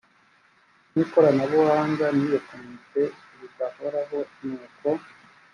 n ikoranabuhanga n iya komite zidahoraho n uko